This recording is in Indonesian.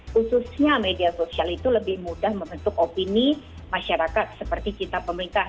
khususnya media sosial itu lebih mudah membentuk opini masyarakat seperti kita pemerintah